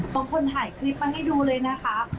บางคนถ่ายคลิปมาให้ดูเลยนะคะ